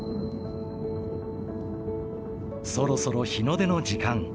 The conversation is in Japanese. そろそろ日の出の時間。